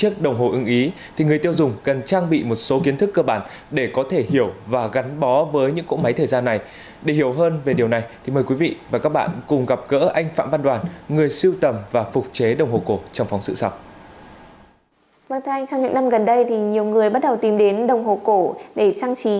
trong những năm gần đây nhiều người bắt đầu tìm đến đồng hồ cổ để trang trí